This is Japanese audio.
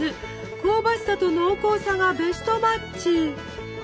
香ばしさと濃厚さがベストマッチ。